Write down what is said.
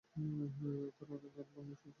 তার অনেক গান বাংলা চলচ্চিত্রে সংযোজন হয়েছে।